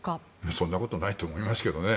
そんなことないと思いますけどね。